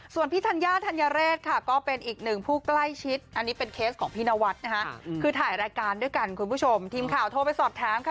ส่วนพี่ธัญญาธัญเรศค่ะก็เป็นอีกหนึ่งผู้ใกล้ชิดอันนี้เป็นเคสของพี่นวัดนะคะคือถ่ายรายการด้วยกันคุณผู้ชมทีมข่าวโทรไปสอบถามค่ะ